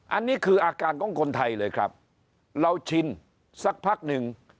อันนี้คืออาการของคนไทยเลยครับเราชินสักพักหนึ่ง